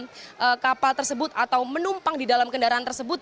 jadi mereka harus menempatkan kapal tersebut atau menumpang di dalam kendaraan tersebut